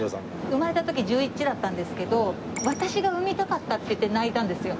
生まれた時１１だったんですけど私が産みたかったって言って泣いたんですよ。